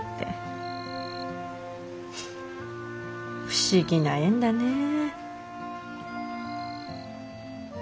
不思議な縁だねぇ。